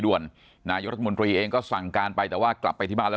นายกรัฐมนตรีเองก็สั่งการไปแต่ว่ากลับไปที่บ้านแล้ว